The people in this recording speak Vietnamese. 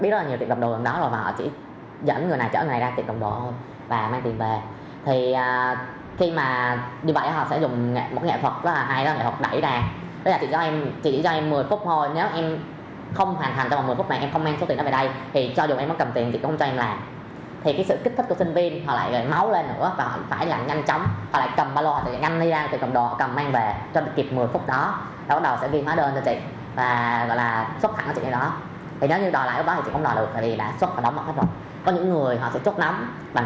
dù em có cầm tiền chị không cho em làm sức kích thước của sinh viên lại mấu lên nữa và họ phải làm nhanh chóng